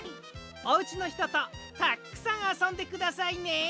おうちのひととたっくさんあそんでくださいね！